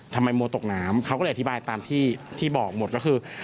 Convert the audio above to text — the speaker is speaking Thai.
โมตกน้ำเขาก็เลยอธิบายตามที่บอกหมดก็คือ